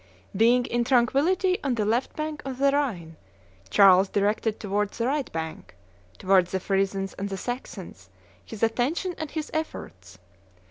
Being in tranquillity on the left bank of the Rhine, Charles directed towards the right bank towards the Frisons and the Saxons his attention and his efforts.